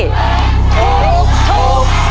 ถูกถูกถูกถูกถูกถูกถูก